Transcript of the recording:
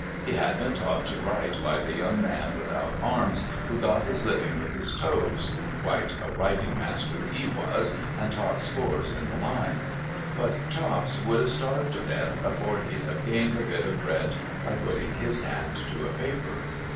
He had been taught to write, by the young man without arms, who got his living with his toes (quite a writing master he was, and taught scores in the line), but Chops would have starved to death, afore he'd have gained a bit of bread by putting his hand to a paper.